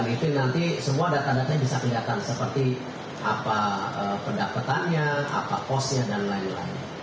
jadi nanti semua data datanya bisa dilihatkan seperti apa pendapatannya apa posnya dan lain lain